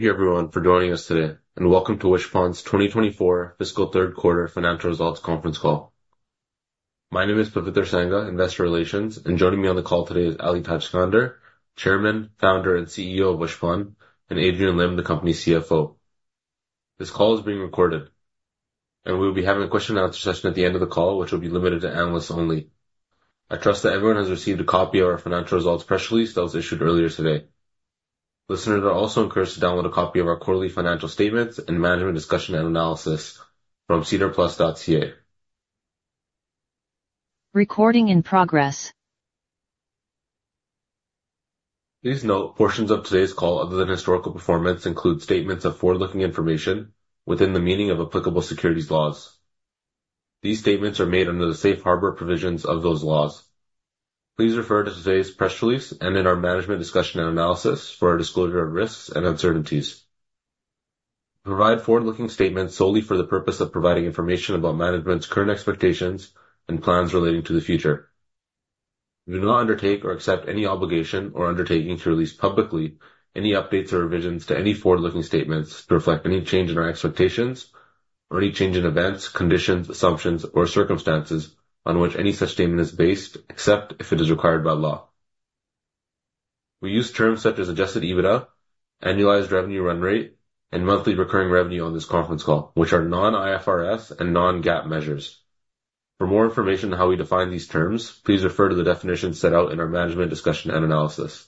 Thank you, everyone, for joining us today, and welcome to Wishpond's 2024 Fiscal Third Quarter Financial Results Conference Call. My name is Pardeep Sangha, Investor Relations, and joining me on the call today is Ali Tajskandar, Chairman, Founder, and CEO of Wishpond, and Adrian Lim, the Company's CFO. This call is being recorded, and we will be having a question-and-answer session at the end of the call, which will be limited to analysts only. I trust that everyone has received a copy of our financial results press release that was issued earlier today. Listeners are also encouraged to download a copy of our quarterly financial statements and management discussion and analysis from SEDARPlus.ca. Recording in progress. Please note portions of today's call, other than historical performance, include statements of forward-looking information within the meaning of applicable securities laws. These statements are made under the safe harbor provisions of those laws. Please refer to today's press release and in our management discussion and analysis for our disclosure of risks and uncertainties. We provide forward-looking statements solely for the purpose of providing information about management's current expectations and plans relating to the future. We do not undertake or accept any obligation or undertaking to release publicly any updates or revisions to any forward-looking statements to reflect any change in our expectations or any change in events, conditions, assumptions, or circumstances on which any such statement is based, except if it is required by law. We use terms such as Adjusted EBITDA, Annualized Revenue Run Rate, and Monthly Recurring Revenue on this conference call, which are non-IFRS and non-GAAP measures. For more information on how we define these terms, please refer to the definitions set out in our management discussion and analysis.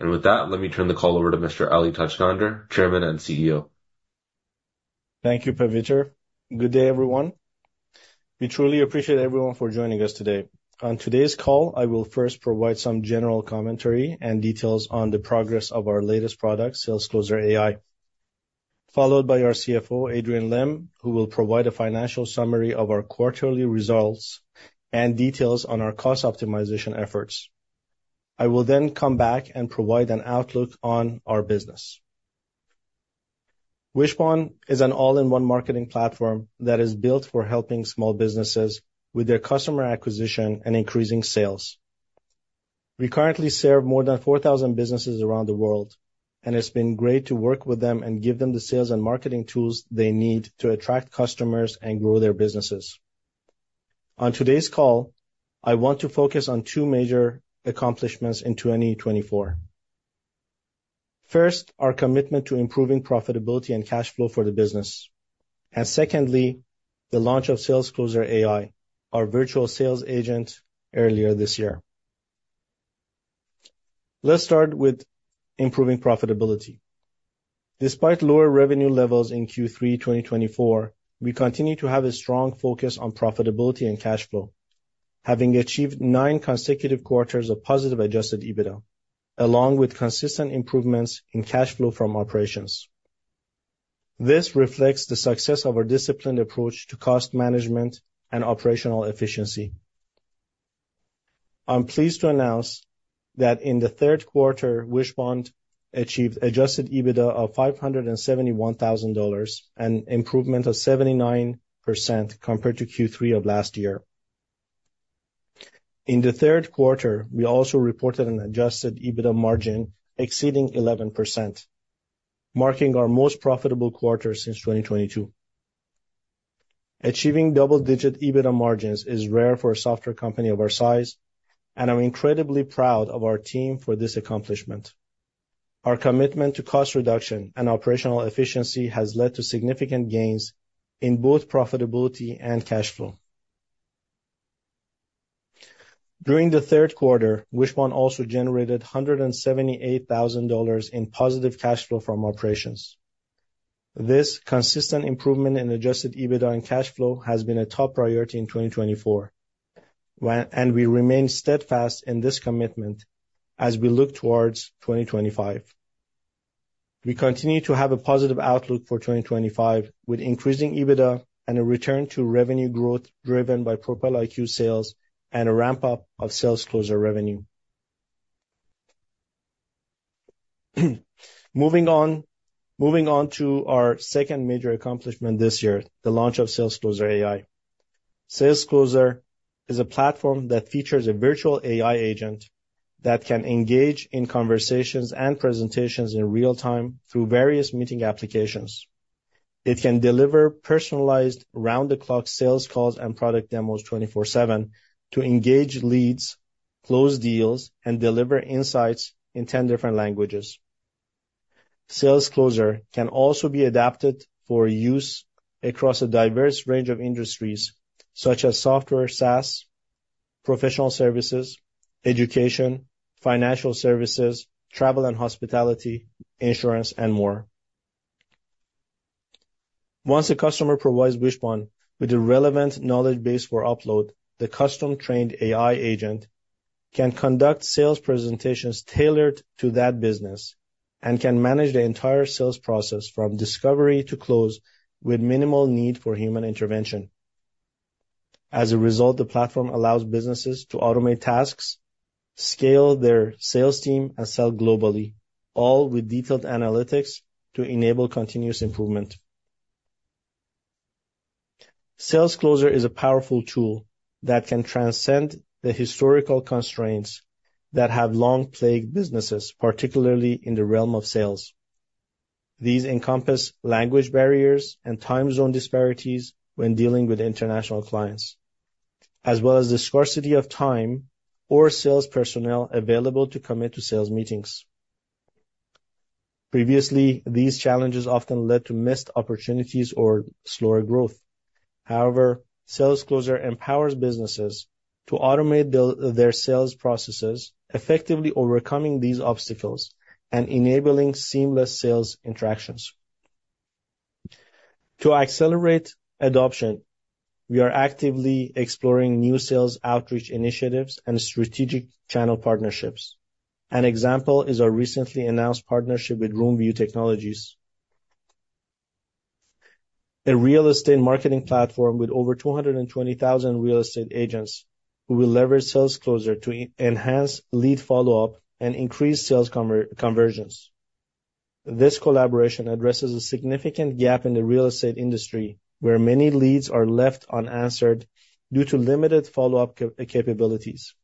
With that, let me turn the call over to Mr. Ali Tajskandar, Chairman and CEO. Thank you, Pardeep. Good day, everyone. We truly appreciate everyone for joining us today. On today's call, I will first provide some general commentary and details on the progress of our latest product, SalesCloser AI, followed by our CFO, Adrian Lim, who will provide a financial summary of our quarterly results and details on our cost optimization efforts. I will then come back and provide an outlook on our business. Wishpond is an all-in-one marketing platform that is built for helping small businesses with their customer acquisition and increasing sales. We currently serve more than 4,000 businesses around the world, and it's been great to work with them and give them the sales and marketing tools they need to attract customers and grow their businesses. On today's call, I want to focus on two major accomplishments in 2024. First, our commitment to improving profitability and cash flow for the business. Secondly, the launch of SalesCloser AI, our virtual sales agent, earlier this year. Let's start with improving profitability. Despite lower revenue levels in Q3 2024, we continue to have a strong focus on profitability and cash flow, having achieved nine consecutive quarters of positive adjusted EBITDA, along with consistent improvements in cash flow from operations. This reflects the success of our disciplined approach to cost management and operational efficiency. I'm pleased to announce that in the third quarter, Wishpond achieved adjusted EBITDA of $571,000, an improvement of 79% compared to Q3 of last year. In the third quarter, we also reported an adjusted EBITDA margin exceeding 11%, marking our most profitable quarter since 2022. Achieving double-digit EBITDA margins is rare for a software company of our size, and I'm incredibly proud of our team for this accomplishment. Our commitment to cost reduction and operational efficiency has led to significant gains in both profitability and cash flow. During the third quarter, Wishpond also generated $178,000 in positive cash flow from operations. This consistent improvement in Adjusted EBITDA and cash flow has been a top priority in 2024, and we remain steadfast in this commitment as we look towards 2025. We continue to have a positive outlook for 2025, with increasing EBITDA and a return to revenue growth driven by Propel IQ sales and a ramp-up of SalesCloser revenue. Moving on to our second major accomplishment this year, the launch of SalesCloser AI. SalesCloser is a platform that features a virtual AI agent that can engage in conversations and presentations in real time through various meeting applications. It can deliver personalized, round-the-clock sales calls and product demos 24/7 to engage leads, close deals, and deliver insights in 10 different languages. SalesCloser can also be adapted for use across a diverse range of industries, such as software, SaaS, professional services, education, financial services, travel and hospitality, insurance, and more. Once a customer provides Wishpond with the relevant knowledge base for upload, the custom-trained AI agent can conduct sales presentations tailored to that business and can manage the entire sales process from discovery to close with minimal need for human intervention. As a result, the platform allows businesses to automate tasks, scale their sales team, and sell globally, all with detailed analytics to enable continuous improvement. SalesCloser is a powerful tool that can transcend the historical constraints that have long plagued businesses, particularly in the realm of sales. These encompass language barriers and time zone disparities when dealing with international clients, as well as the scarcity of time or sales personnel available to commit to sales meetings. Previously, these challenges often led to missed opportunities or slower growth. However, SalesCloser empowers businesses to automate their sales processes, effectively overcoming these obstacles and enabling seamless sales interactions. To accelerate adoption, we are actively exploring new sales outreach initiatives and strategic channel partnerships. An example is our recently announced partnership with Roomvu Technologies, a real estate marketing platform with over 220,000 real estate agents who will leverage SalesCloser to enhance lead follow-up and increase sales conversions. This collaboration addresses a significant gap in the real estate industry, where many leads are left unanswered due to limited follow-up capabilities.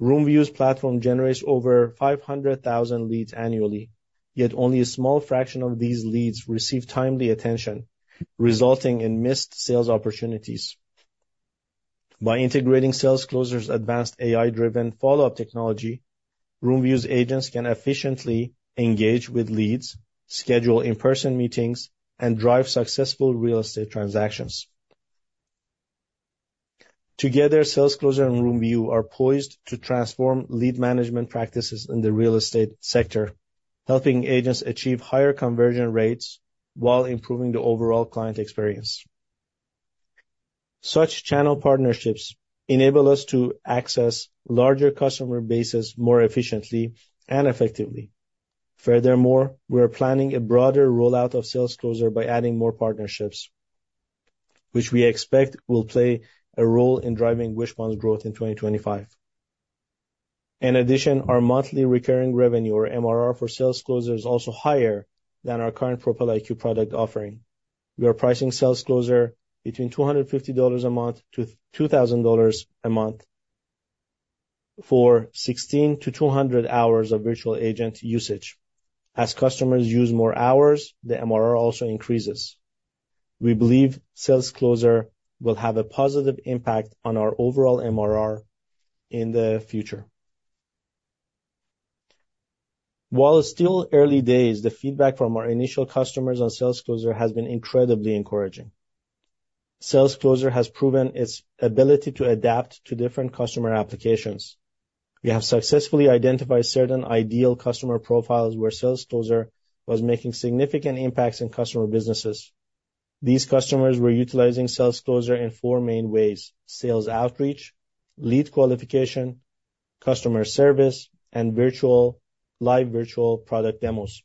Roomvu's platform generates over 500,000 leads annually, yet only a small fraction of these leads receive timely attention, resulting in missed sales opportunities. By integrating SalesCloser's advanced AI-driven follow-up technology, Roomvu's agents can efficiently engage with leads, schedule in-person meetings, and drive successful real estate transactions. Together, SalesCloser and Roomvu are poised to transform lead management practices in the real estate sector, helping agents achieve higher conversion rates while improving the overall client experience. Such channel partnerships enable us to access larger customer bases more efficiently and effectively. Furthermore, we are planning a broader rollout of SalesCloser by adding more partnerships, which we expect will play a role in driving Wishpond's growth in 2025. In addition, our monthly recurring revenue, or MRR, for SalesCloser is also higher than our current Propel IQ product offering. We are pricing SalesCloser between $250 a month to $2,000 a month for 16 to 200 hours of virtual agent usage. As customers use more hours, the MRR also increases. We believe SalesCloser will have a positive impact on our overall MRR in the future. While it's still early days, the feedback from our initial customers on SalesCloser has been incredibly encouraging. SalesCloser has proven its ability to adapt to different customer applications. We have successfully identified certain ideal customer profiles where SalesCloser was making significant impacts in customer businesses. These customers were utilizing SalesCloser in four main ways: sales outreach, lead qualification, customer service, and live virtual product demos.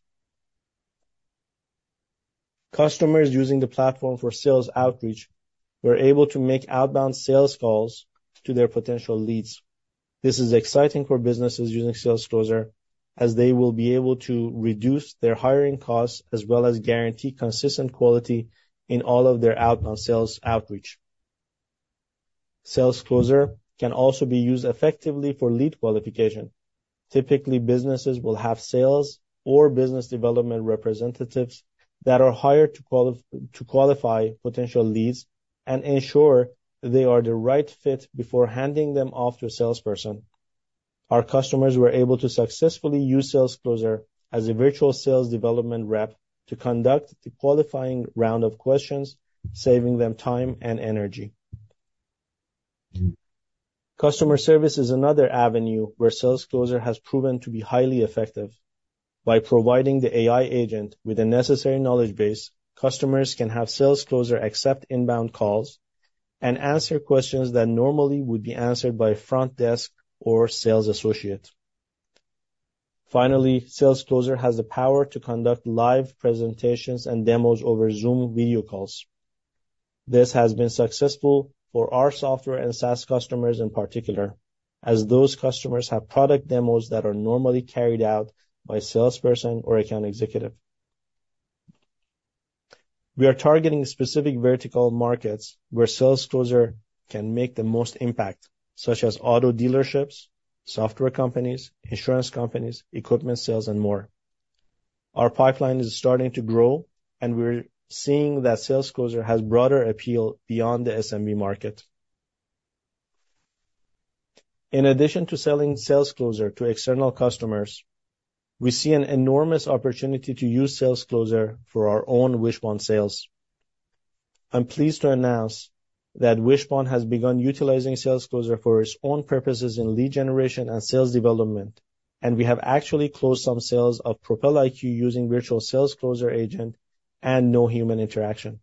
Customers using the platform for sales outreach were able to make outbound sales calls to their potential leads. This is exciting for businesses using SalesCloser, as they will be able to reduce their hiring costs as well as guarantee consistent quality in all of their outbound sales outreach. SalesCloser can also be used effectively for lead qualification. Typically, businesses will have sales or business development representatives that are hired to qualify potential leads and ensure they are the right fit before handing them off to a salesperson. Our customers were able to successfully use SalesCloser as a virtual sales development rep to conduct the qualifying round of questions, saving them time and energy. Customer service is another avenue where SalesCloser has proven to be highly effective. By providing the AI agent with the necessary knowledge base, customers can have SalesCloser accept inbound calls and answer questions that normally would be answered by front desk or sales associate. Finally, SalesCloser has the power to conduct live presentations and demos over Zoom video calls. This has been successful for our software and SaaS customers in particular, as those customers have product demos that are normally carried out by a salesperson or account executive. We are targeting specific vertical markets where SalesCloser can make the most impact, such as auto dealerships, software companies, insurance companies, equipment sales, and more. Our pipeline is starting to grow, and we're seeing that SalesCloser has broader appeal beyond the SMB market. In addition to selling SalesCloser to external customers, we see an enormous opportunity to use SalesCloser for our own Wishpond sales. I'm pleased to announce that Wishpond has begun utilizing SalesCloser for its own purposes in lead generation and sales development, and we have actually closed some sales of Propel IQ using virtual SalesCloser agent and no human interaction.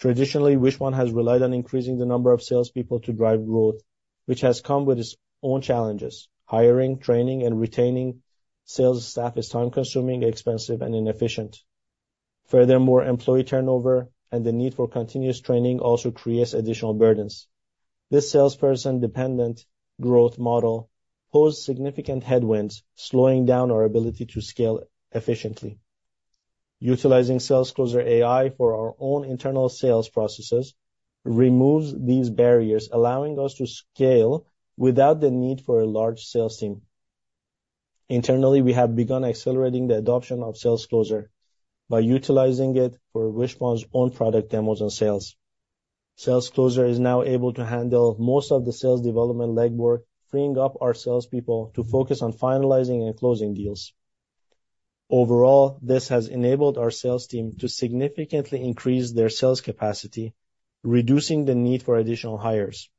Traditionally, Wishpond has relied on increasing the number of salespeople to drive growth, which has come with its own challenges. Hiring, training, and retaining sales staff is time-consuming, expensive, and inefficient. Furthermore, employee turnover and the need for continuous training also creates additional burdens. This salesperson-dependent growth model poses significant headwinds, slowing down our ability to scale efficiently. Utilizing SalesCloser AI for our own internal sales processes removes these barriers, allowing us to scale without the need for a large sales team. Internally, we have begun accelerating the adoption of SalesCloser by utilizing it for Wishpond's own product demos and sales. SalesCloser is now able to handle most of the sales development legwork, freeing up our salespeople to focus on finalizing and closing deals. Overall, this has enabled our sales team to significantly increase their sales capacity, reducing the need for additional hires.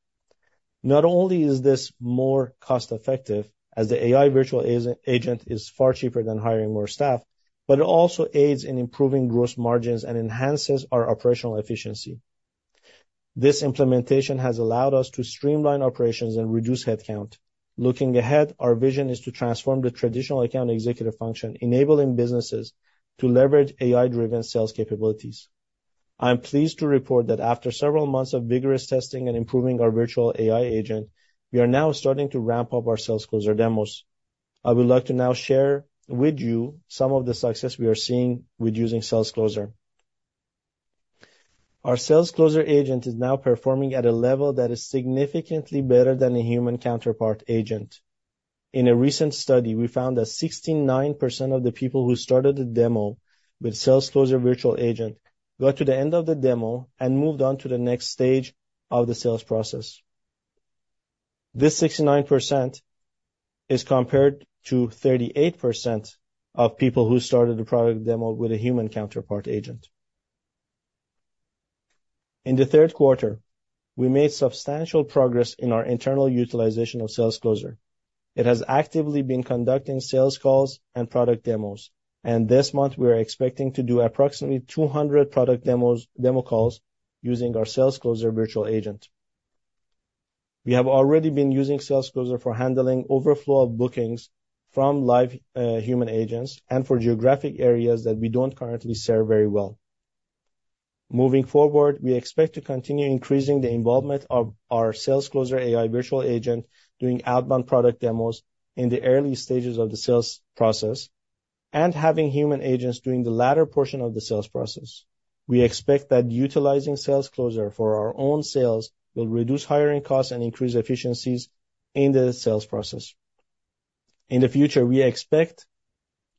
Not only is this more cost-effective, as the AI virtual agent is far cheaper than hiring more staff, but it also aids in improving gross margins and enhances our operational efficiency. This implementation has allowed us to streamline operations and reduce headcount. Looking ahead, our vision is to transform the traditional Account Executive function, enabling businesses to leverage AI-driven sales capabilities. I'm pleased to report that after several months of vigorous testing and improving our virtual AI agent, we are now starting to ramp up our SalesCloser demos. I would like to now share with you some of the success we are seeing with using SalesCloser. Our SalesCloser agent is now performing at a level that is significantly better than a human counterpart agent. In a recent study, we found that 69% of the people who started the demo with SalesCloser virtual agent got to the end of the demo and moved on to the next stage of the sales process. This 69% is compared to 38% of people who started the product demo with a human counterpart agent. In the third quarter, we made substantial progress in our internal utilization of SalesCloser. It has actively been conducting sales calls and product demos, and this month, we are expecting to do approximately 200 product demo calls using our SalesCloser virtual agent. We have already been using SalesCloser for handling overflow of bookings from live human agents and for geographic areas that we don't currently serve very well. Moving forward, we expect to continue increasing the involvement of our SalesCloser AI virtual agent doing outbound product demos in the early stages of the sales process and having human agents doing the latter portion of the sales process. We expect that utilizing SalesCloser for our own sales will reduce hiring costs and increase efficiencies in the sales process. In the future, we expect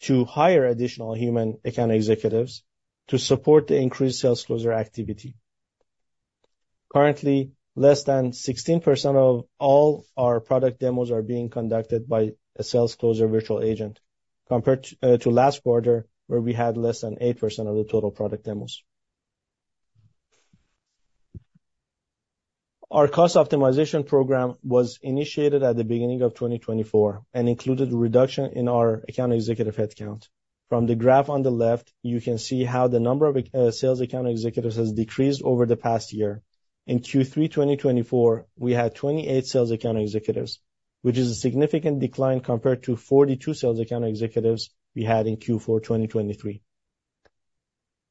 to hire additional human account executives to support the increased SalesCloser activity. Currently, less than 16% of all our product demos are being conducted by a SalesCloser virtual agent, compared to last quarter, where we had less than 8% of the total product demos. Our cost optimization program was initiated at the beginning of 2024 and included a reduction in our account executive headcount. From the graph on the left, you can see how the number of sales account executives has decreased over the past year. In Q3 2024, we had 28 sales account executives, which is a significant decline compared to 42 sales account executives we had in Q4 2023.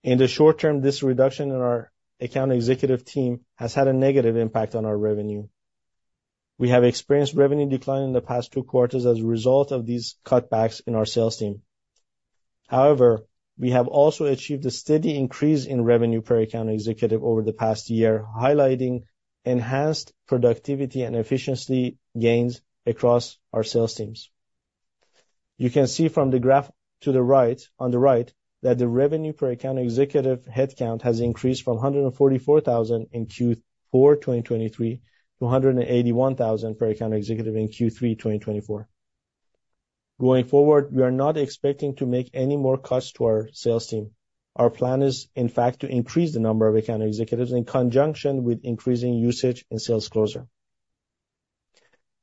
In the short term, this reduction in our account executive team has had a negative impact on our revenue. We have experienced revenue decline in the past two quarters as a result of these cutbacks in our sales team. However, we have also achieved a steady increase in revenue per account executive over the past year, highlighting enhanced productivity and efficiency gains across our sales teams. You can see from the graph to the right that the revenue per account executive headcount has increased from $144,000 in Q4 2023 to $181,000 per account executive in Q3 2024. Going forward, we are not expecting to make any more cuts to our sales team. Our plan is, in fact, to increase the number of account executives in conjunction with increasing usage in SalesCloser.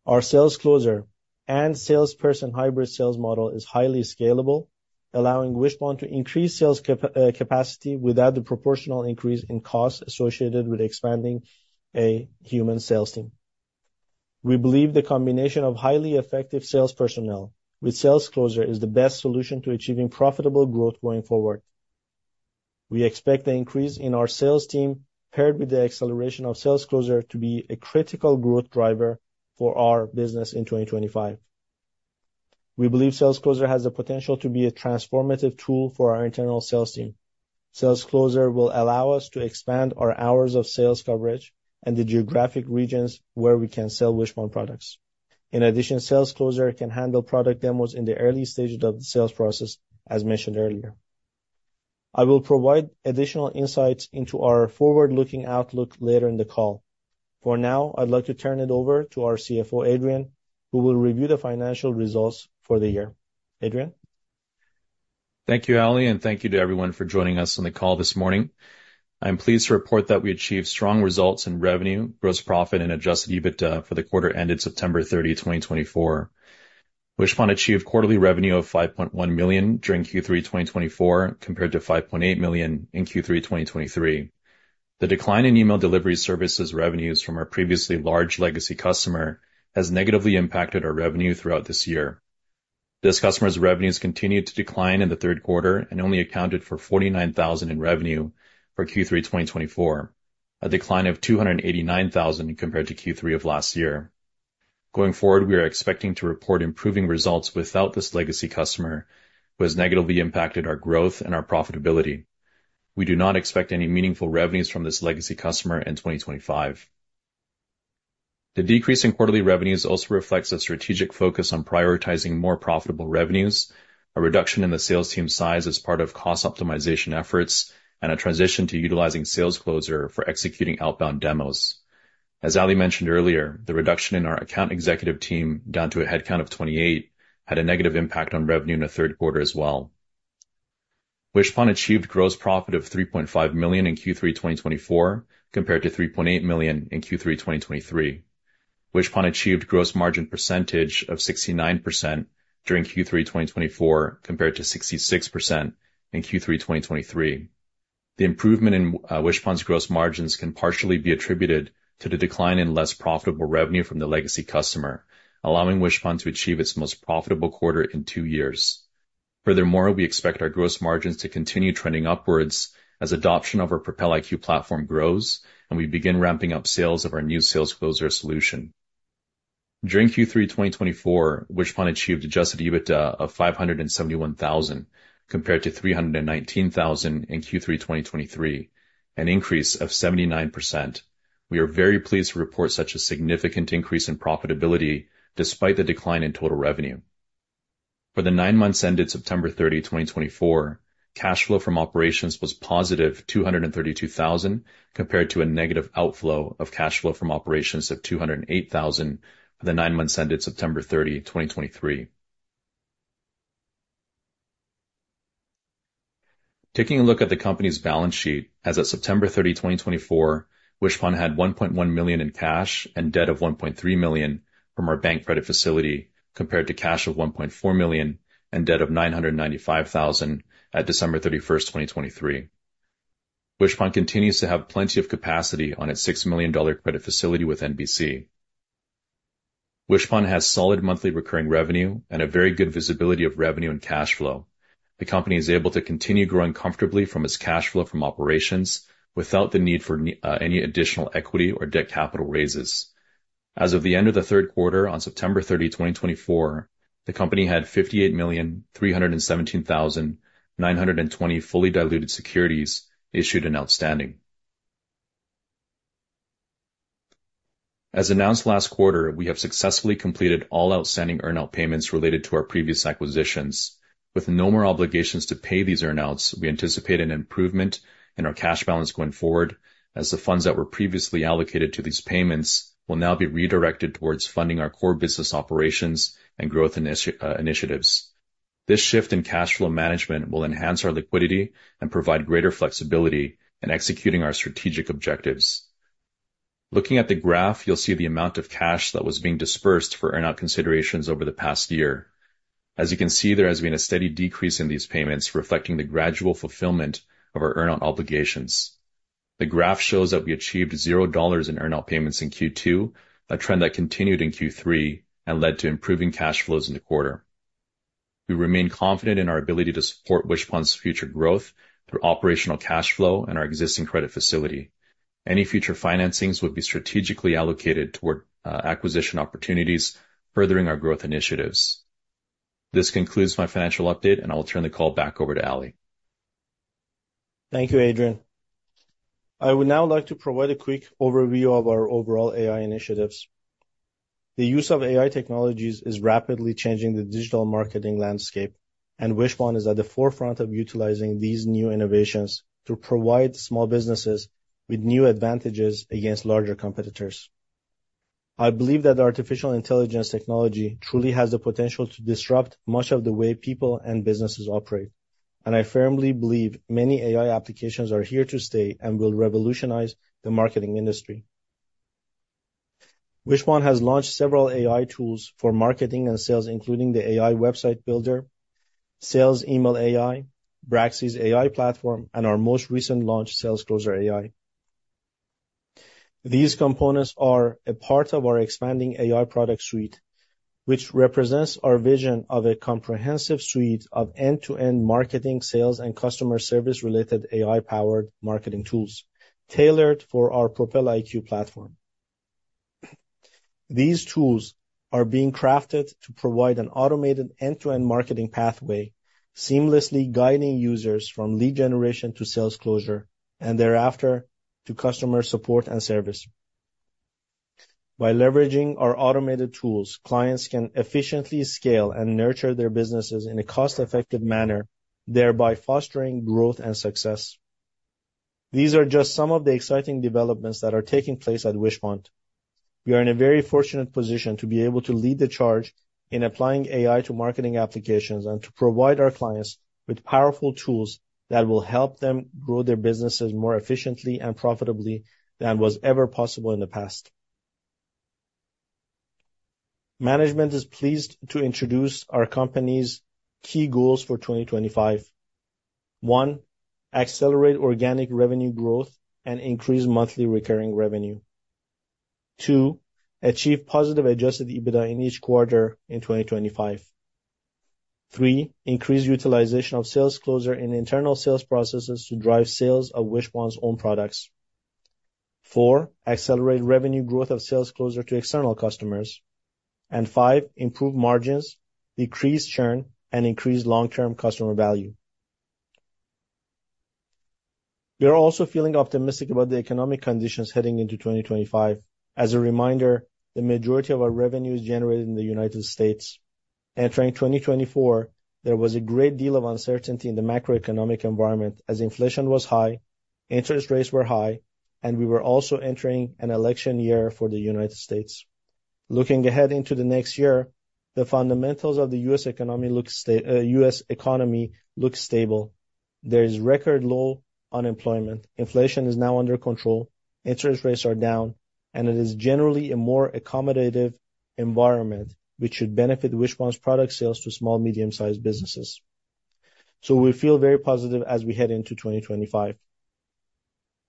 Our SalesCloser and salesperson hybrid sales model is highly scalable, allowing Wishpond to increase sales capacity without the proportional increase in costs associated with expanding a human sales team. We believe the combination of highly effective sales personnel with SalesCloser is the best solution to achieving profitable growth going forward. We expect the increase in our sales team, paired with the acceleration of SalesCloser, to be a critical growth driver for our business in 2025. We believe SalesCloser has the potential to be a transformative tool for our internal sales team. SalesCloser will allow us to expand our hours of sales coverage and the geographic regions where we can sell Wishpond products. In addition, SalesCloser can handle product demos in the early stages of the sales process, as mentioned earlier. I will provide additional insights into our forward-looking outlook later in the call. For now, I'd like to turn it over to our CFO, Adrian, who will review the financial results for the year. Adrian. Thank you, Ali, and thank you to everyone for joining us on the call this morning. I'm pleased to report that we achieved strong results in revenue, gross profit, and Adjusted EBITDA for the quarter ended September 30, 2024. Wishpond achieved quarterly revenue of $5.1 million during Q3 2024, compared to $5.8 million in Q3 2023. The decline in email delivery services revenues from our previously large legacy customer has negatively impacted our revenue throughout this year. This customer's revenues continued to decline in the third quarter and only accounted for $49,000 in revenue for Q3 2024, a decline of $289,000 compared to Q3 of last year. Going forward, we are expecting to report improving results without this legacy customer, which has negatively impacted our growth and our profitability. We do not expect any meaningful revenues from this legacy customer in 2025. The decrease in quarterly revenues also reflects a strategic focus on prioritizing more profitable revenues, a reduction in the sales team size as part of cost optimization efforts, and a transition to utilizing SalesCloser for executing outbound demos. As Ali mentioned earlier, the reduction in our account executive team down to a headcount of 28 had a negative impact on revenue in the third quarter as well. Wishpond achieved gross profit of $3.5 million in Q3 2024, compared to $3.8 million in Q3 2023. Wishpond achieved gross margin percentage of 69% during Q3 2024, compared to 66% in Q3 2023. The improvement in Wishpond's gross margins can partially be attributed to the decline in less profitable revenue from the legacy customer, allowing Wishpond to achieve its most profitable quarter in two years. Furthermore, we expect our gross margins to continue trending upwards as adoption of our Propel IQ platform grows and we begin ramping up sales of our new SalesCloser solution. During Q3 2024, Wishpond achieved adjusted EBITDA of $571,000 compared to $319,000 in Q3 2023, an increase of 79%. We are very pleased to report such a significant increase in profitability despite the decline in total revenue. For the nine months ended September 30, 2024, cash flow from operations was positive $232,000 compared to a negative outflow of cash flow from operations of $208,000 for the nine months ended September 30, 2023. Taking a look at the company's balance sheet, as of September 30, 2024, Wishpond had $1.1 million in cash and debt of $1.3 million from our bank credit facility, compared to cash of $1.4 million and debt of $995,000 at December 31, 2023. Wishpond continues to have plenty of capacity on its $6 million credit facility with NBC. Wishpond has solid monthly recurring revenue and a very good visibility of revenue and cash flow. The company is able to continue growing comfortably from its cash flow from operations without the need for any additional equity or debt capital raises. As of the end of the third quarter, on September 30, 2024, the company had $58,317,920 fully diluted securities issued and outstanding. As announced last quarter, we have successfully completed all outstanding earnout payments related to our previous acquisitions. With no more obligations to pay these earnouts, we anticipate an improvement in our cash balance going forward, as the funds that were previously allocated to these payments will now be redirected towards funding our core business operations and growth initiatives. This shift in cash flow management will enhance our liquidity and provide greater flexibility in executing our strategic objectives. Looking at the graph, you'll see the amount of cash that was being dispersed for earnout considerations over the past year. As you can see, there has been a steady decrease in these payments, reflecting the gradual fulfillment of our earnout obligations. The graph shows that we achieved $0 in earnout payments in Q2, a trend that continued in Q3 and led to improving cash flows in the quarter. We remain confident in our ability to support Wishpond's future growth through operational cash flow and our existing credit facility. Any future financings would be strategically allocated toward acquisition opportunities, furthering our growth initiatives. This concludes my financial update, and I will turn the call back over to Ali. Thank you, Adrian. I would now like to provide a quick overview of our overall AI initiatives. The use of AI technologies is rapidly changing the digital marketing landscape, and Wishpond is at the forefront of utilizing these new innovations to provide small businesses with new advantages against larger competitors. I believe that artificial intelligence technology truly has the potential to disrupt much of the way people and businesses operate, and I firmly believe many AI applications are here to stay and will revolutionize the marketing industry. Wishpond has launched several AI tools for marketing and sales, including the AI Website Builder, Sales Email AI, Braxis.io platform, and our most recent launch, SalesCloser AI. These components are a part of our expanding AI product suite, which represents our vision of a comprehensive suite of end-to-end marketing, sales, and customer service-related AI-powered marketing tools tailored for our Propel IQ platform. These tools are being crafted to provide an automated end-to-end marketing pathway, seamlessly guiding users from lead generation to sales closure and thereafter to customer support and service. By leveraging our automated tools, clients can efficiently scale and nurture their businesses in a cost-effective manner, thereby fostering growth and success. These are just some of the exciting developments that are taking place at Wishpond. We are in a very fortunate position to be able to lead the charge in applying AI to marketing applications and to provide our clients with powerful tools that will help them grow their businesses more efficiently and profitably than was ever possible in the past. Management is pleased to introduce our company's key goals for 2025. One, accelerate organic revenue growth and increase monthly recurring revenue. Two, achieve positive Adjusted EBITDA in each quarter in 2025. Three, increase utilization of SalesCloser in internal sales processes to drive sales of Wishpond's own products. Four, accelerate revenue growth of SalesCloser to external customers. And five, improve margins, decrease churn, and increase long-term customer value. We are also feeling optimistic about the economic conditions heading into 2025. As a reminder, the majority of our revenue is generated in the United States. Entering 2024, there was a great deal of uncertainty in the macroeconomic environment as inflation was high, interest rates were high, and we were also entering an election year for the United States. Looking ahead into the next year, the fundamentals of the US economy look stable. There is record low unemployment. Inflation is now under control. Interest rates are down, and it is generally a more accommodative environment, which should benefit Wishpond's product sales to small, medium-sized businesses. So we feel very positive as we head into 2025.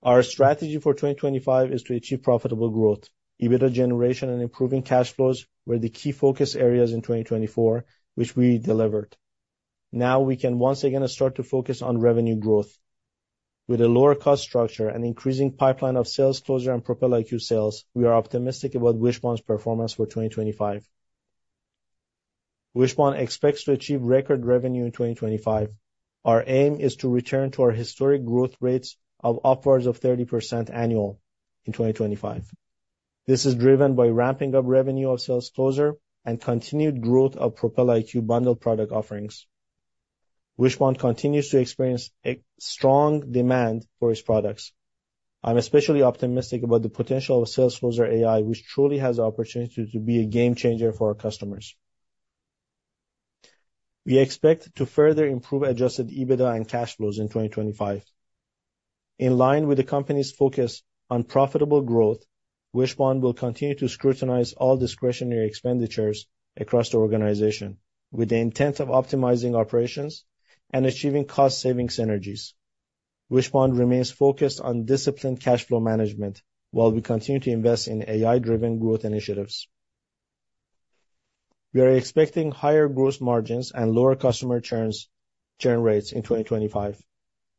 Our strategy for 2025 is to achieve profitable growth. EBITDA generation and improving cash flows were the key focus areas in 2024, which we delivered. Now we can once again start to focus on revenue growth. With a lower-cost structure and increasing pipeline of SalesCloser and Propel IQ sales, we are optimistic about Wishpond's performance for 2025. Wishpond expects to achieve record revenue in 2025. Our aim is to return to our historic growth rates of upwards of 30% annual in 2025. This is driven by ramping up revenue of SalesCloser and continued growth of Propel IQ bundled product offerings. Wishpond continues to experience strong demand for its products. I'm especially optimistic about the potential of SalesCloser AI, which truly has the opportunity to be a game changer for our customers. We expect to further improve Adjusted EBITDA and cash flows in 2025. In line with the company's focus on profitable growth, Wishpond will continue to scrutinize all discretionary expenditures across the organization with the intent of optimizing operations and achieving cost-saving synergies. Wishpond remains focused on disciplined cash flow management while we continue to invest in AI-driven growth initiatives. We are expecting higher gross margins and lower customer churn rates in 2025.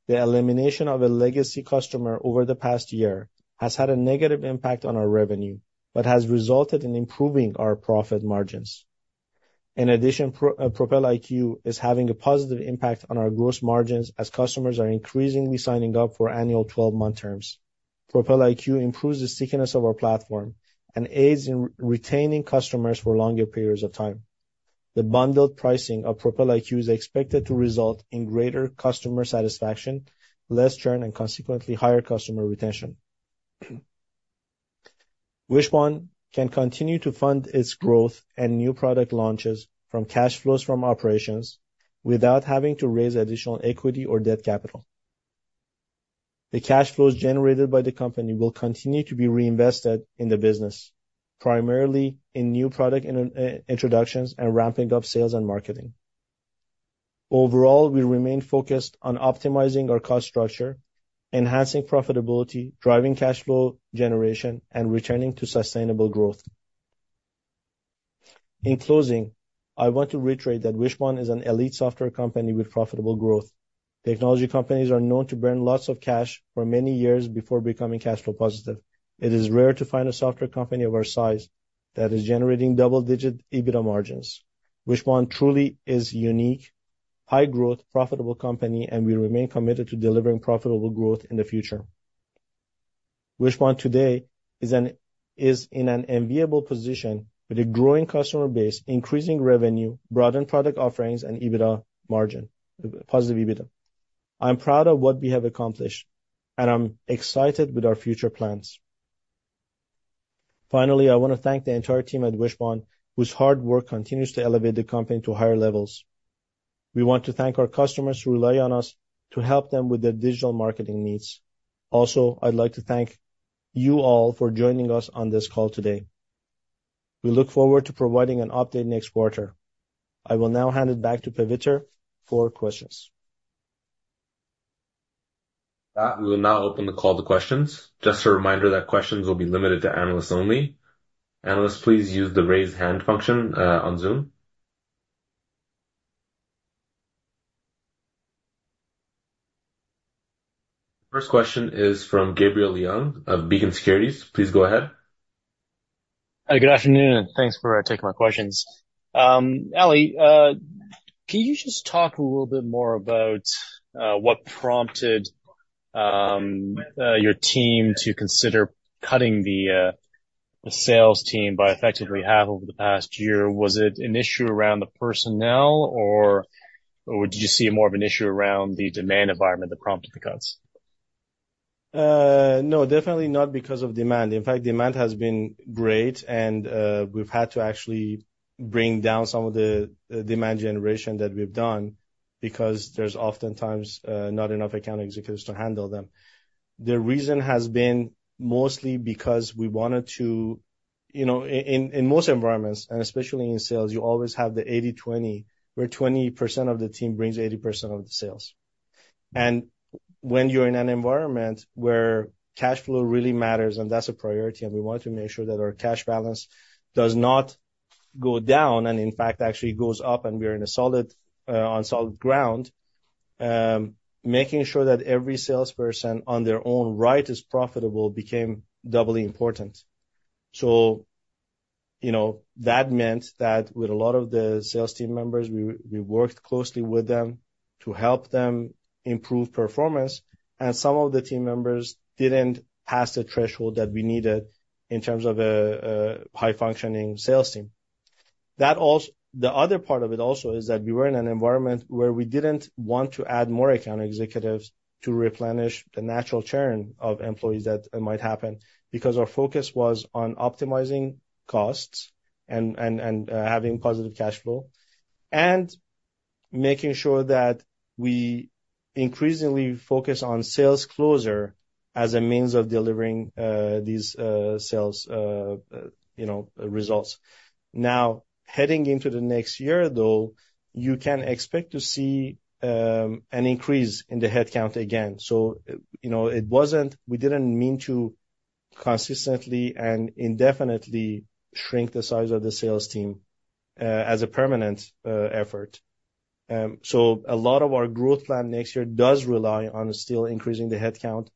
The elimination of a legacy customer over the past year has had a negative impact on our revenue, but has resulted in improving our profit margins. In addition, Propel IQ is having a positive impact on our gross margins as customers are increasingly signing up for annual 12-month terms. Propel IQ improves the stickiness of our platform and aids in retaining customers for longer periods of time. The bundled pricing of Propel IQ is expected to result in greater customer satisfaction, less churn, and consequently higher customer retention. Wishpond can continue to fund its growth and new product launches from cash flows from operations without having to raise additional equity or debt capital. The cash flows generated by the company will continue to be reinvested in the business, primarily in new product introductions and ramping up sales and marketing. Overall, we remain focused on optimizing our cost structure, enhancing profitability, driving cash flow generation, and returning to sustainable growth. In closing, I want to reiterate that Wishpond is an elite software company with profitable growth. Technology companies are known to burn lots of cash for many years before becoming cash flow positive. It is rare to find a software company of our size that is generating double-digit EBITDA margins. Wishpond truly is a unique, high-growth, profitable company, and we remain committed to delivering profitable growth in the future. Wishpond today is in an enviable position with a growing customer base, increasing revenue, broadened product offerings, and positive EBITDA. I'm proud of what we have accomplished, and I'm excited with our future plans. Finally, I want to thank the entire team at Wishpond, whose hard work continues to elevate the company to higher levels. We want to thank our customers who rely on us to help them with their digital marketing needs. Also, I'd like to thank you all for joining us on this call today. We look forward to providing an update next quarter. I will now hand it back to Pardeep for questions. We will now open the call to questions. Just a reminder that questions will be limited to analysts only. Analysts, please use the raise hand function on Zoom. First question is from Gabriel Leung of Beacon Securities. Please go ahead. Hi, good afternoon, and thanks for taking my questions. Ali, can you just talk a little bit more about what prompted your team to consider cutting the sales team by effectively half over the past year? Was it an issue around the personnel, or did you see more of an issue around the demand environment that prompted the cuts? No, definitely not because of demand. In fact, demand has been great, and we've had to actually bring down some of the demand generation that we've done because there's oftentimes not enough account executives to handle them. The reason has been mostly because we wanted to, in most environments, and especially in sales, you always have the 80-20, where 20% of the team brings 80% of the sales and when you're in an environment where cash flow really matters, and that's a priority, and we wanted to make sure that our cash balance does not go down and, in fact, actually goes up, and we're on solid ground, making sure that every salesperson on their own right is profitable became doubly important, so that meant that with a lot of the sales team members, we worked closely with them to help them improve performance, and some of the team members didn't pass the threshold that we needed in terms of a high-functioning sales team. The other part of it also is that we were in an environment where we didn't want to add more account executives to replenish the natural churn of employees that might happen because our focus was on optimizing costs and having positive cash flow and making sure that we increasingly focus on SalesCloser as a means of delivering these sales results. Now, heading into the next year, though, you can expect to see an increase in the headcount again. So we didn't mean to consistently and indefinitely shrink the size of the sales team as a permanent effort. So a lot of our growth plan next year does rely on still increasing the headcount,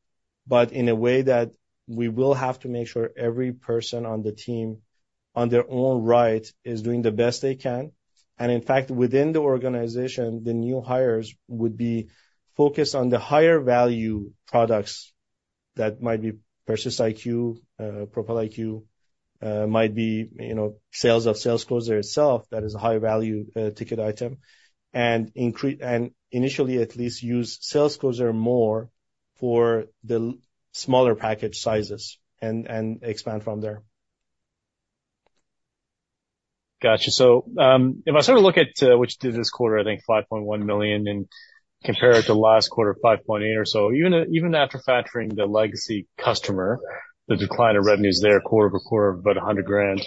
but in a way that we will have to make sure every person on the team, on their own right, is doing the best they can. In fact, within the organization, the new hires would be focused on the higher-value products that might be PersistIQ, Propel IQ, might be sales of SalesCloser itself that is a high-value ticket item, and initially, at least, use SalesCloser more for the smaller package sizes and expand from there. Gotcha. So if I sort of look at what you did this quarter, I think $5.1 million and compare it to last quarter, $5.8 million or so, even after factoring the legacy customer, the decline in revenues there quarter over quarter of about $100,000,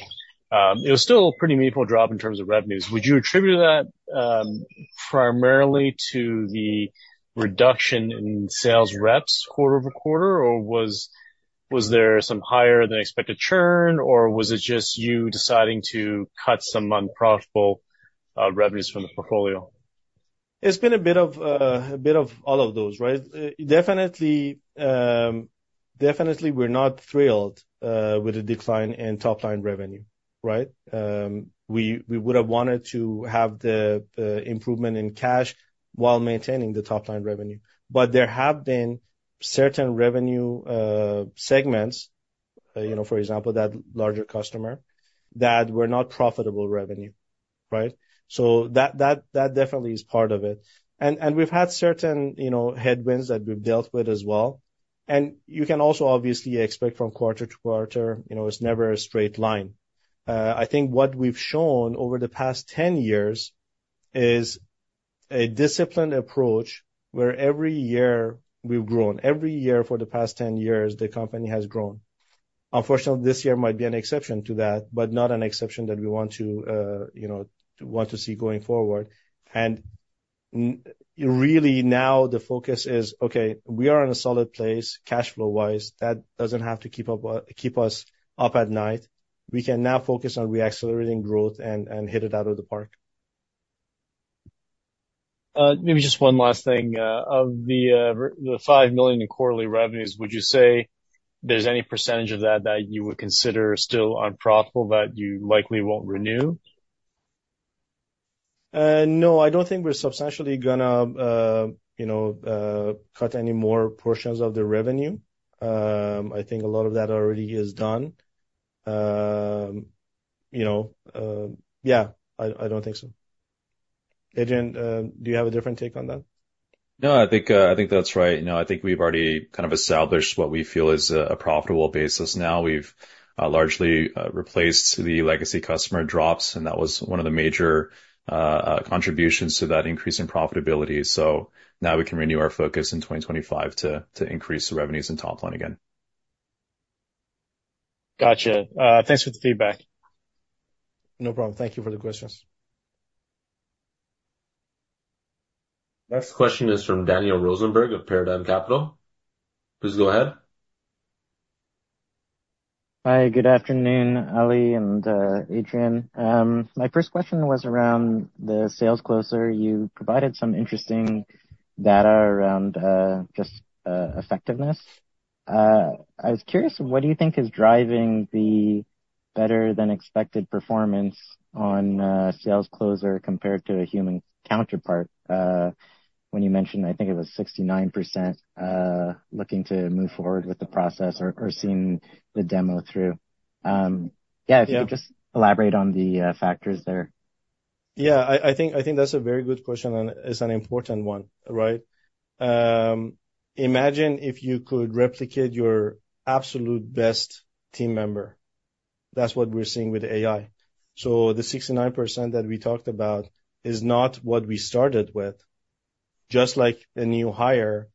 it was still a pretty meaningful drop in terms of revenues. Would you attribute that primarily to the reduction in sales reps quarter over quarter, or was there some higher-than-expected churn, or was it just you deciding to cut some unprofitable revenues from the portfolio? It's been a bit of all of those, right? Definitely, we're not thrilled with the decline in top-line revenue, right? We would have wanted to have the improvement in cash while maintaining the top-line revenue. But there have been certain revenue segments, for example, that larger customer, that were not profitable revenue, right? So that definitely is part of it. And we've had certain headwinds that we've dealt with as well. And you can also obviously expect from quarter to quarter, it's never a straight line. I think what we've shown over the past 10 years is a disciplined approach where every year we've grown. Every year for the past 10 years, the company has grown. Unfortunately, this year might be an exception to that, but not an exception that we want to see going forward. And really now the focus is, okay, we are in a solid place cash flow-wise. That doesn't have to keep us up at night. We can now focus on reaccelerating growth and hit it out of the park. Maybe just one last thing. Of the $5 million in quarterly revenues, would you say there's any percentage of that that you would consider still unprofitable that you likely won't renew? No, I don't think we're substantially going to cut any more portions of the revenue. I think a lot of that already is done. Yeah, I don't think so. Do you have a different take on that? No, I think that's right. I think we've already kind of established what we feel is a profitable basis now. We've largely replaced the legacy customer drops, and that was one of the major contributions to that increase in profitability. So now we can renew our focus in 2025 to increase the revenues and top-line again. Gotcha. Thanks for the feedback. No problem. Thank you for the questions. Next question is from Daniel Rosenberg of Paradigm Capital. Please go ahead. Hi, good afternoon, Ali and Adrian. My first question was around the SalesCloser. You provided some interesting data around just effectiveness. I was curious, what do you think is driving the better-than-expected performance on SalesCloser compared to a human counterpart when you mentioned, I think it was 69% looking to move forward with the process or seeing the demo through? Yeah, if you could just elaborate on the factors there. Yeah, I think that's a very good question and it's an important one, right? Imagine if you could replicate your absolute best team member. That's what we're seeing with AI. So the 69% that we talked about is not what we started with. Just like a new hire,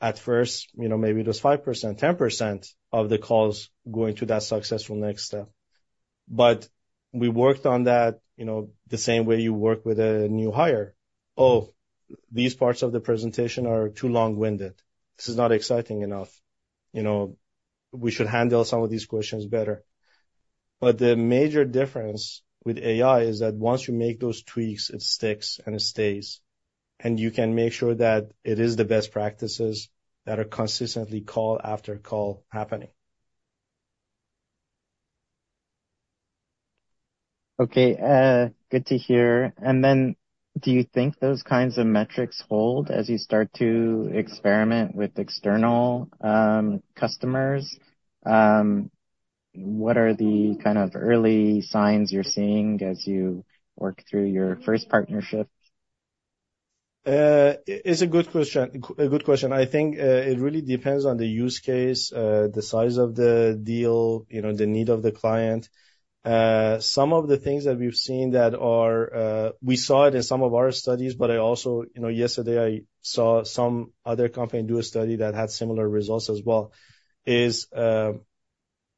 at first, maybe it was 5%, 10% of the calls going to that successful next step. But we worked on that the same way you work with a new hire. Oh, these parts of the presentation are too long-winded. This is not exciting enough. We should handle some of these questions better. But the major difference with AI is that once you make those tweaks, it sticks and it stays. And you can make sure that it is the best practices that are consistently call after call happening. Okay. Good to hear. And then do you think those kinds of metrics hold as you start to experiment with external customers? What are the kind of early signs you're seeing as you work through your first partnership? It's a good question. I think it really depends on the use case, the size of the deal, the need of the client. Some of the things that we've seen, we saw it in some of our studies, but also yesterday, I saw some other company do a study that had similar results as well, is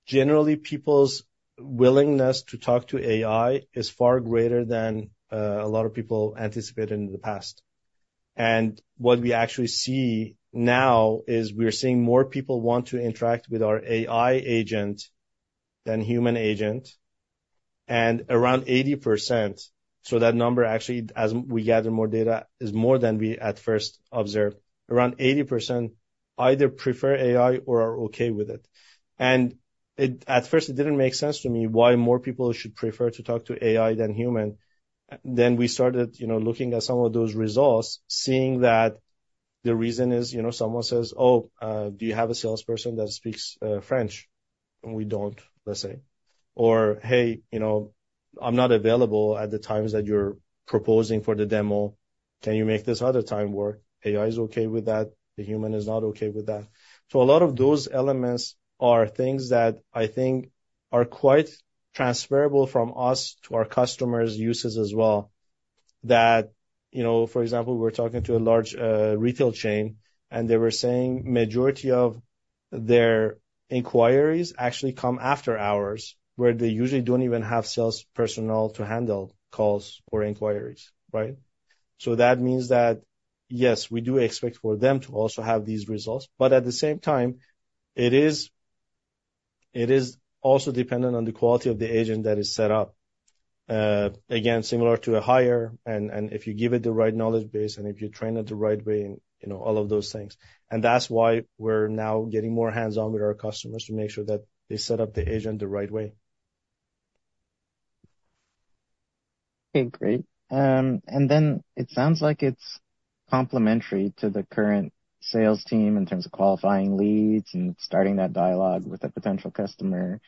generally people's willingness to talk to AI is far greater than a lot of people anticipated in the past. And what we actually see now is we're seeing more people want to interact with our AI agent than human agent. And around 80%, so that number actually, as we gather more data, is more than we at first observed. Around 80% either prefer AI or are okay with it. And at first, it didn't make sense to me why more people should prefer to talk to AI than human. Then we started looking at some of those results, seeing that the reason is someone says, "Oh, do you have a salesperson that speaks French?" And we don't, let's say. Or, "Hey, I'm not available at the times that you're proposing for the demo. Can you make this other time work?" AI is okay with that. The human is not okay with that. So a lot of those elements are things that I think are quite transferable from us to our customers' uses as well. For example, we were talking to a large retail chain, and they were saying the majority of their inquiries actually come after hours, where they usually don't even have sales personnel to handle calls or inquiries, right? So that means that, yes, we do expect for them to also have these results. But at the same time, it is also dependent on the quality of the agent that is set up. Again, similar to a hire, and if you give it the right knowledge base and if you train it the right way and all of those things. And that's why we're now getting more hands-on with our customers to make sure that they set up the agent the right way. Okay, great. And then it sounds like it's complementary to the current sales team in terms of qualifying leads and starting that dialogue with a potential customer.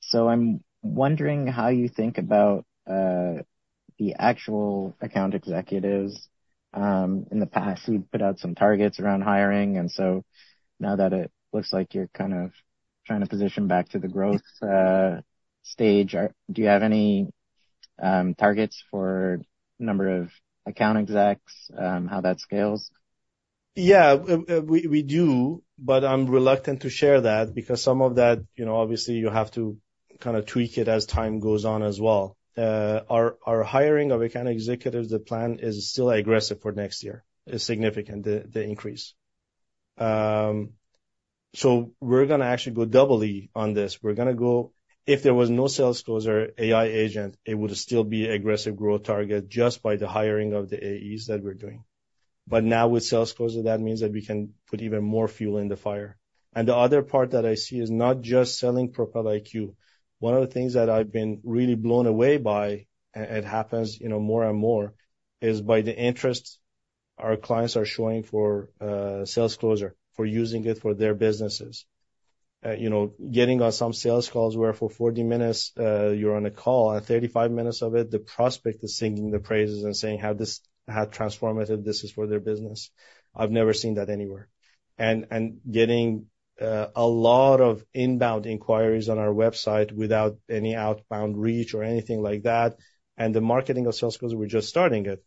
So I'm wondering how you think about the actual account executives. In the past, we've put out some targets around hiring. And so now that it looks like you're kind of trying to position back to the growth stage, do you have any targets for the number of account execs, how that scales? Yeah, we do, but I'm reluctant to share that because some of that, obviously, you have to kind of tweak it as time goes on as well. Our hiring of account executives, the plan is still aggressive for next year. It's significant, the increase. So we're going to actually go doubly on this. We're going to go, if there was no SalesCloser AI agent, it would still be an aggressive growth target just by the hiring of the AEs that we're doing. But now with SalesCloser, that means that we can put even more fuel in the fire. And the other part that I see is not just selling Propel IQ. One of the things that I've been really blown away by, and it happens more and more, is by the interest our clients are showing for SalesCloser, for using it for their businesses. Getting on some sales calls where for 40 minutes, you're on a call, and 35 minutes of it, the prospect is singing the praises and saying, "How transformative this is for their business." I've never seen that anywhere. And getting a lot of inbound inquiries on our website without any outbound reach or anything like that, and the marketing of SalesCloser, we're just starting it.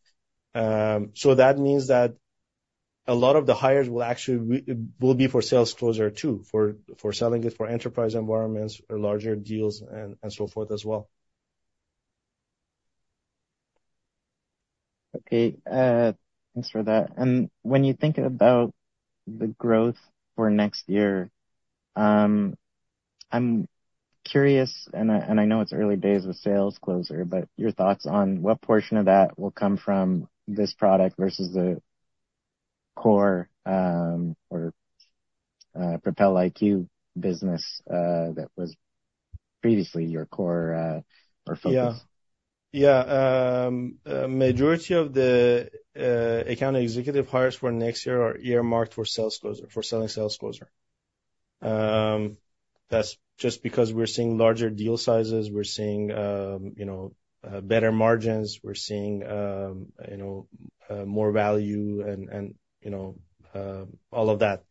So that means that a lot of the hires will actually be for SalesCloser too, for selling it for enterprise environments or larger deals and so forth as well. Okay. Thanks for that. And when you think about the growth for next year, I'm curious, and I know it's early days with SalesCloser, but your thoughts on what portion of that will come from this product versus the core or Propel IQ business that was previously your core or focus? Yeah. Yeah. The majority of the account executive hires for next year are earmarked for SalesCloser, for selling SalesCloser. That's just because we're seeing larger deal sizes, we're seeing better margins, we're seeing more value, and all of that.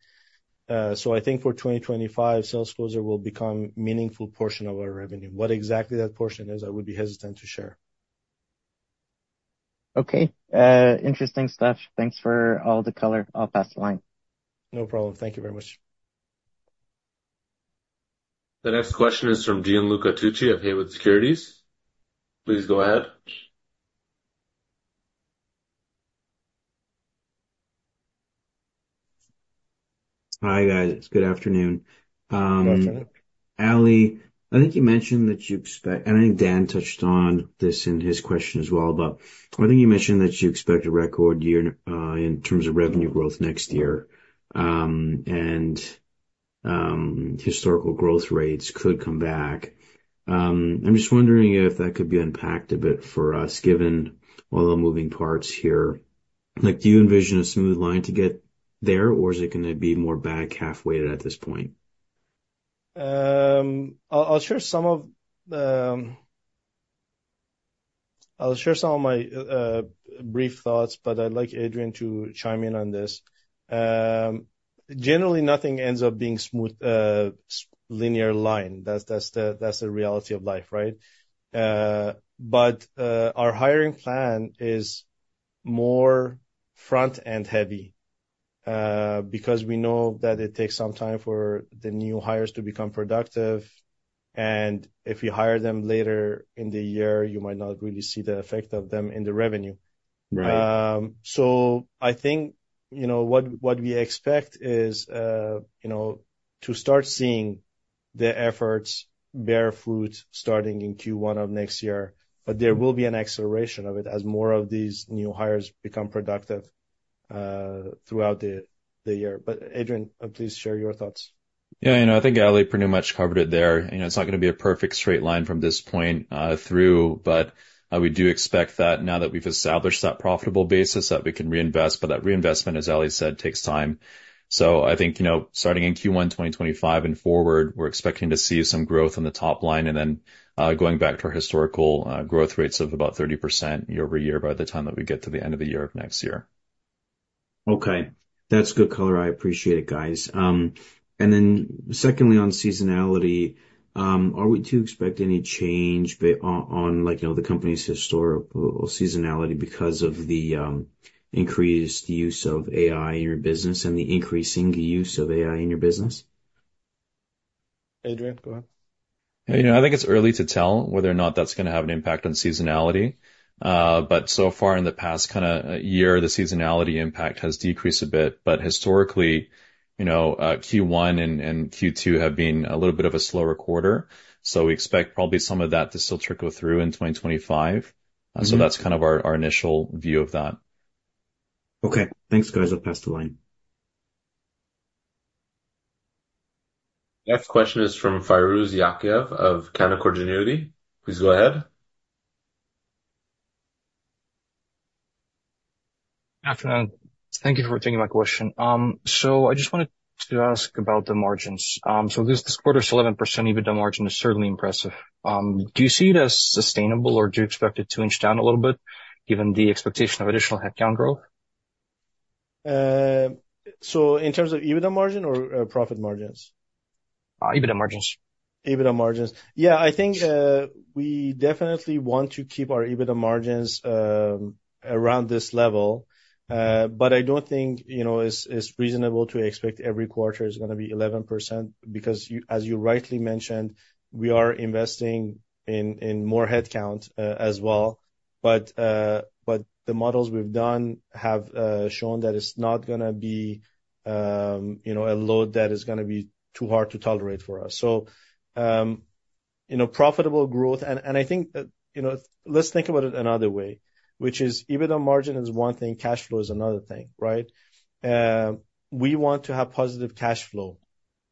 So I think for 2025, SalesCloser will become a meaningful portion of our revenue. What exactly that portion is, I would be hesitant to share. Okay. Interesting stuff. Thanks for all the color. I'll pass the line. No problem. Thank you very much. The next question is from Gianluca Tucci of Haywood Securities. Please go ahead. Hi, guys. Good afternoon. Good afternoon. Ali, I think you mentioned that you expect, and I think Dan touched on this in his question as well, but I think you mentioned that you expect a record year in terms of revenue growth next year, and historical growth rates could come back. I'm just wondering if that could be unpacked a bit for us, given all the moving parts here. Do you envision a smooth line to get there, or is it going to be more back halfway at this point? I'll share some of my brief thoughts, but I'd like Adrian to chime in on this. Generally, nothing ends up being a smooth linear line. That's the reality of life, right? But our hiring plan is more front-end heavy because we know that it takes some time for the new hires to become productive, and if you hire them later in the year, you might not really see the effect of them in the revenue. So I think what we expect is to start seeing the efforts bear fruit starting in Q1 of next year, but there will be an acceleration of it as more of these new hires become productive throughout the year. But Adrian, please share your thoughts. Yeah. I think Ali pretty much covered it there. It's not going to be a perfect straight line from this point through, but we do expect that now that we've established that profitable basis, that we can reinvest. But that reinvestment, as Ali said, takes time. So I think starting in Q1 2025 and forward, we're expecting to see some growth on the top line and then going back to our historical growth rates of about 30% year over year by the time that we get to the end of the year of next year. Okay. That's good color. I appreciate it, guys. And then secondly, on seasonality, are we to expect any change on the company's historical seasonality because of the increased use of AI in your business and the increasing use of AI in your business? Adrian, go ahead. I think it's early to tell whether or not that's going to have an impact on seasonality. But so far in the past kind of year, the seasonality impact has decreased a bit. But historically, Q1 and Q2 have been a little bit of a slower quarter. So we expect probably some of that to still trickle through in 2025. So that's kind of our initial view of that. Okay. Thanks, guys. I'll pass the line. Next question is from Firuz Yakhyayev of Canaccord Genuity. Please go ahead. Good afternoon. Thank you for taking my question. So I just wanted to ask about the margins. So this quarter's 11% EBITDA margin is certainly impressive. Do you see it as sustainable, or do you expect it to inch down a little bit given the expectation of additional headcount growth? So in terms of EBITDA margin or profit margins? EBITDA margins. EBITDA margins. Yeah. I think we definitely want to keep our EBITDA margins around this level, but I don't think it's reasonable to expect every quarter is going to be 11% because, as you rightly mentioned, we are investing in more headcount as well. But the models we've done have shown that it's not going to be a load that is going to be too hard to tolerate for us. So profitable growth, and I think let's think about it another way, which is EBITDA margin is one thing, cash flow is another thing, right? We want to have positive cash flow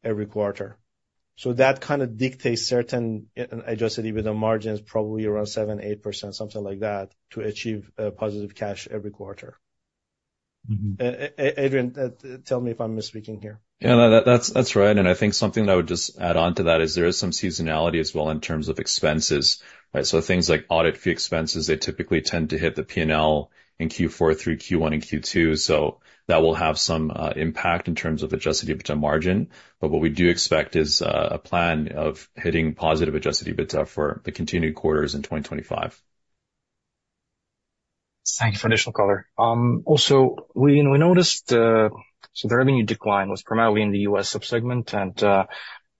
every quarter. So that kind of dictates certain, and I just said EBITDA margins probably around 7%, 8%, something like that, to achieve positive cash every quarter. Adrian, tell me if I'm misspeaking here. Yeah, that's right. And I think something that I would just add on to that is there is some seasonality as well in terms of expenses, right? So things like audit fee expenses, they typically tend to hit the P&L in Q4 through Q1 and Q2. So that will have some impact in terms of adjusted EBITDA margin. But what we do expect is a plan of hitting positive adjusted EBITDA for the continued quarters in 2025. Thank you for the additional color. Also, we noticed the revenue decline was primarily in the U.S. subsegment, and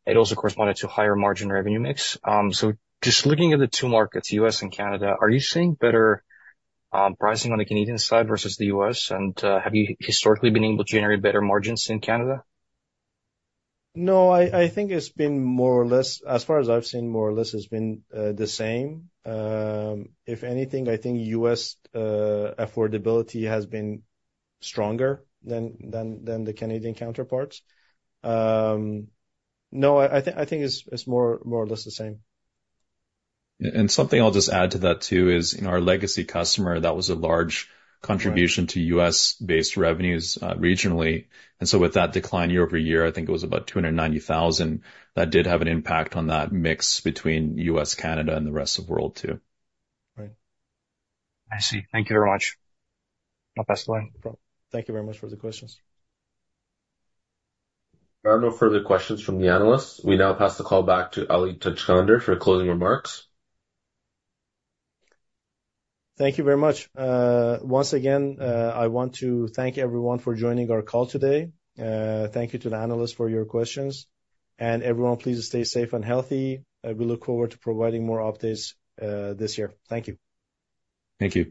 it also corresponded to higher margin revenue mix. So just looking at the two markets, U.S. and Canada, are you seeing better pricing on the Canadian side versus the US? And have you historically been able to generate better margins in Canada? No, I think it's been more or less, as far as I've seen, more or less has been the same. If anything, I think U.S. affordability has been stronger than the Canadian counterparts. No, I think it's more or less the same. And something I'll just add to that too is our legacy customer that was a large contribution to US-based revenues regionally. And so with that decline year over year, I think it was about 290,000 that did have an impact on that mix between U.S., Canada, and the rest of the world too. Right. I see. Thank you very much. I'll pass the line. Thank you very much for the questions. There are no further questions from the analysts. We now pass the call back to Ali Tajskandar for closing remarks. Thank you very much. Once again, I want to thank everyone for joining our call today. Thank you to the analysts for your questions. And everyone, please stay safe and healthy. We look forward to providing more updates this year. Thank you. Thank you.